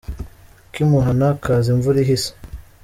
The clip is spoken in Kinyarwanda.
Ak’imuhana kaza imvura ihise.